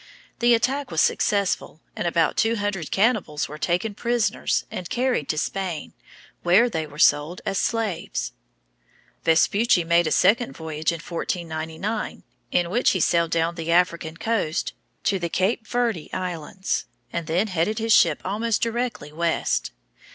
The attack was successful, and about two hundred cannibals were taken prisoners and carried to Spain, where they were sold as slaves. Vespucci made a second voyage in 1499, in which he sailed down the African coast to the Cape Verde Islands, and then headed his ship almost directly west.